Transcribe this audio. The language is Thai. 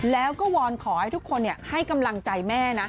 แล้วก็วอนขอให้ทุกคนให้กำลังใจแม่นะ